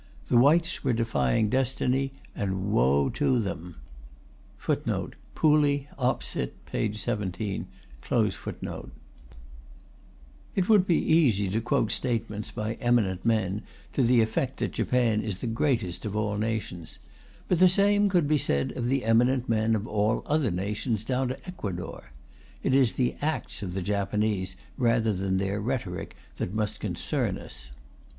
The whites were defying destiny, and woe to them. It would be easy to quote statements by eminent men to the effect that Japan is the greatest of all nations. But the same could be said of the eminent men of all other nations down to Ecuador. It is the acts of the Japanese rather than their rhetoric that must concern us.